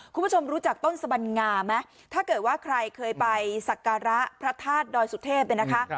คุณผู้ชมรู้จักต้นสบัญงาไหมถ้าเกิดว่าใครเคยไปสักการะพระธาตุดอยสุเทพเนี่ยนะคะ